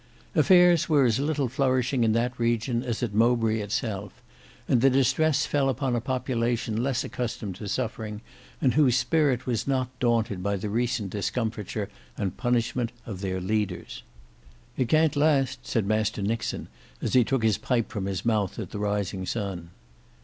Affairs were as little flourishing in that region as at Mowbray itself, and the distress fell upon a population less accustomed to suffering and whose spirit was not daunted by the recent discomfiture and punishment of their leaders. "It can't last," said Master Nixon as he took his pipe from his mouth at the Rising Sun.